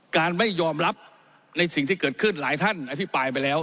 ไม่ยอมรับในสิ่งที่เกิดขึ้นหลายท่านอภิปรายไปแล้ว